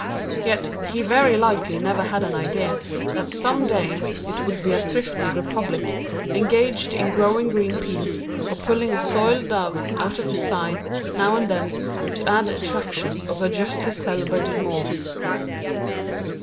Yet he very likely never had an idea that some day it would be a thrifty republic, engaged in growing green peas, or pulling a soiled dove out of the Seine, now and then, to add to the attractions of her justly celebrated morgue.